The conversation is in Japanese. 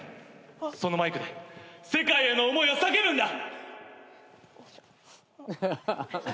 そのマイクで世界への思いを叫ぶんだ！